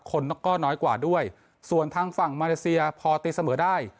คนก็น้อยกว่าด้วยส่วนทางฝั่งมาเลเซียพอตีเสมอได้